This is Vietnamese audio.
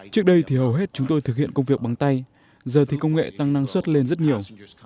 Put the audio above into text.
trước đây thì hầu hết chúng tôi thực hiện công việc bằng tay giờ thì công nghệ tăng năng suất lên rất nhiều